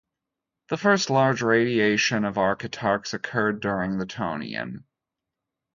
The first large radiation of acritarchs occurred during the Tonian.